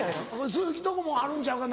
鈴木んとこもあるんちゃうか？